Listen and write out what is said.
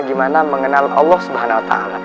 gimana mengenal allah swt